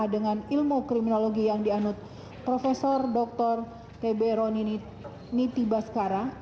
dengan ilmu kriminologi yang dianut prof dr tb roni niti baskara